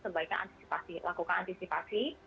sebaiknya lakukan antisipasi